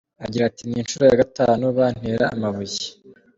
Agira ati "Ni inshuro ya gatanu bantera amabuye.